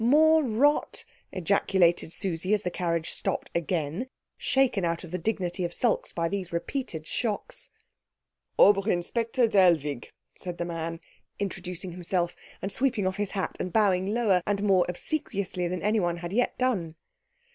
More rot?" ejaculated Susie as the carriage stopped again, shaken out of the dignity of sulks by these repeated shocks. "Oberinspector Dellwig," said the man, introducing himself, and sweeping off his hat and bowing lower and more obsequiously than anyone had yet done.